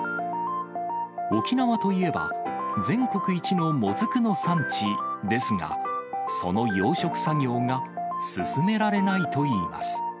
沖縄といえば、全国一のもずくの産地ですが、その養殖作業が進められないといいます。